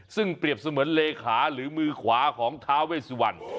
ซึ่งเปรียบเสมือนเลขาหรือมือขวาของท้าเวสวัน